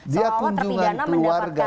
dia kunjungan keluarga